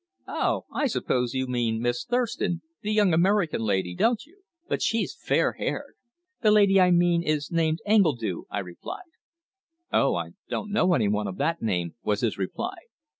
"Oh! I suppose you mean Miss Thurston the young American lady, don't you? But she's fair haired!" "The lady I mean is named Engledue," I replied. "Oh! I don't know anyone of that name," was his reply.